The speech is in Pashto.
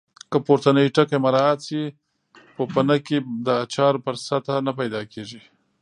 که پورتني ټکي مراعات شي پوپنکې د اچار پر سطحه نه پیدا کېږي.